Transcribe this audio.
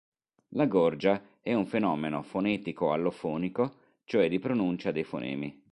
La gorgia è un fenomeno fonetico-allofonico, cioè di pronuncia dei fonemi.